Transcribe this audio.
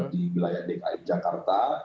di wilayah dki jakarta